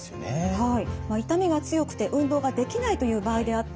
はい。